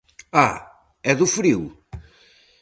¡Ah!, ¿é do frío?